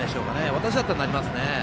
私だったらなりますね。